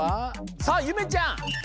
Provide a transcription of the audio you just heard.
さあゆめちゃん！